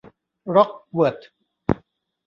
ร้อกเวิธ